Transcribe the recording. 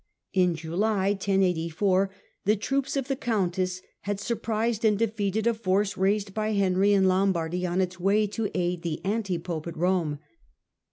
In July, 1084, the troops of the countess had surprised and defeated a force raised by Henry in Lombardy on its way to aid the anti pope at Rome.